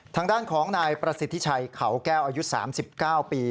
ทางด้านของนายประสิทธิชัยเขาแก้วอายุ๓๙ปี